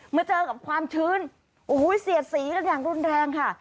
มาเจอกับความชื้นโอ้โหเสียดสีกันอย่างรุนแรงค่ะ